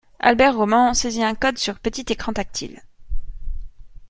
Albert Roman saisit un code sur petit écran tactile